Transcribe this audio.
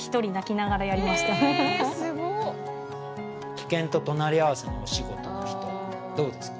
危険と隣り合わせのお仕事の人どうですか？